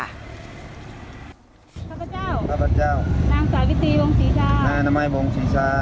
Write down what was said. ข้าพเจ้าข้าพเจ้านางสาวิตรีวงศรีชานายนามัยวงศรีชา